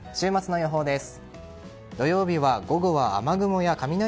週末の予報です。